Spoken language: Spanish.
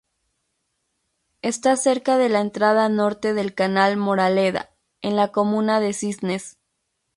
Está cerca de la entrada norte del Canal Moraleda, en la comuna de Cisnes.